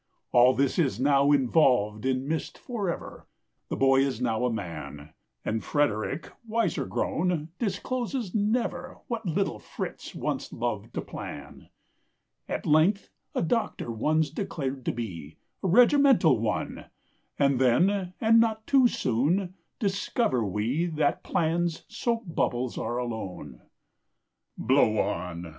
All this is now involved in mist forever, The boy is now a man, And Frederick, wiser grown, discloses never What little Fritz once loved to plan. At length a doctor one's declared to be, A regimental one! And then, and not too soon, discover we That plans soap bubbles are alone. Blow on!